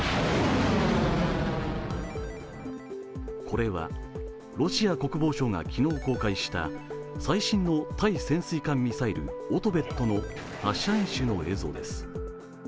これは、ロシア国防省が昨日公開した最新の対潜水艦ミサイルオトベットの発射演習の映像です。